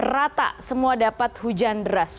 rata semua dapat hujan deras